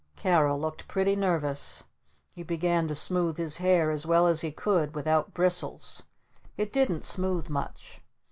Carol looked pretty nervous. He began to smooth his hair as well as he could without bristles. It didn't smooth much.